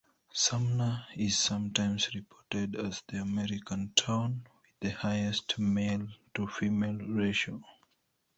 Sumner is sometimes reported as the American town with the highest male-to-female ratio.